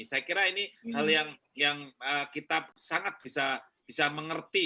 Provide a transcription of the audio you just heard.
saya kira ini hal yang kita sangat bisa mengerti